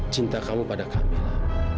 cinta kamu pada camilla